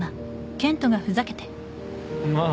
まあ